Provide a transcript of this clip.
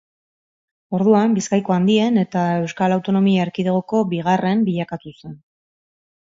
Orduan Bizkaiko handien eta Euskal Autonomia Erkidegoko bigarren bilakatu zen.